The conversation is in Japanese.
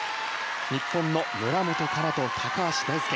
日本の村元哉中と高橋大輔。